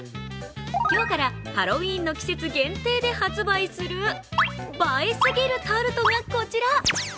今日からハロウィーンの季節限定で発売する、映えすぎるタルトがこちら。